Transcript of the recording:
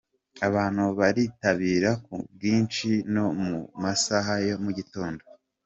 Abantu baritabira ku bwinshi no mu masaha ya mu gitondo.